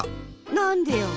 なんでよ！